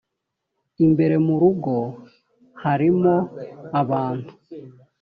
imbere mu rugo harimo abantu.